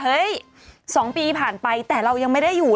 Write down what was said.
๒ปีผ่านไปแต่เรายังไม่ได้อยู่